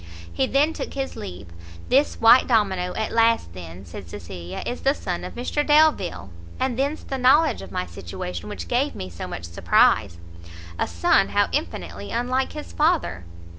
He then took his leave. "This white domino, at last then," said Cecilia, "is the son of Mr Delvile! and thence the knowledge of my situation which gave me so much surprise: a son how infinitely unlike his father!"